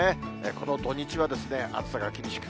この土日は暑さが厳しく。